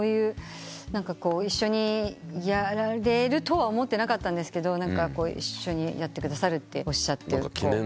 一緒にやられるとは思ってなかったんですが一緒にやってくださるとおっしゃって。